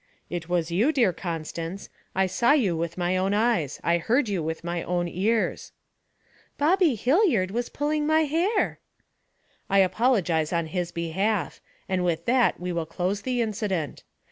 'It was you, dear Constance. I saw you with my own eyes; I heard you with my own ears.' 'Bobbie Hilliard was pulling my hair.' 'I apologize on his behalf, and with that we will close the incident.